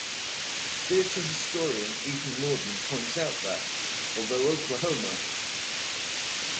Theater historian Ethan Mordden points out that, although Oklahoma!